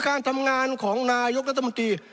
การทำงานของนายกรัฐมนตรี